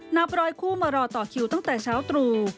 นับร้อยคู่มารอต่อคิวตั้งแต่เช้าตรู่